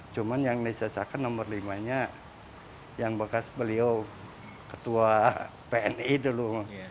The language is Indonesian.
cuma yang diselesaikan nomor lima nya yang bekas beliau ketua pni dulu